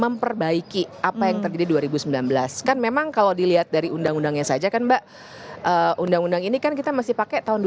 memperbaiki apa yang terjadi dua ribu sembilan belas kan memang kalau dilihat dari undang undangnya saja kan mbak undang undang ini kan kita masih pakai tahun